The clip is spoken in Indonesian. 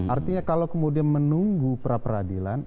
artinya kalau kemudian menunggu perapradilan